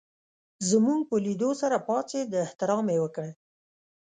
زموږ په لېدو سره پاڅېد احترام یې وکړ.